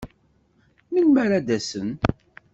Melmi ara d-asen?